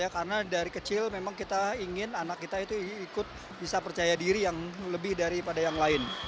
karena dari kecil memang kita ingin anak kita itu ikut bisa percaya diri yang lebih daripada yang lain